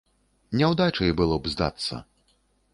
Няўдачай было б здацца.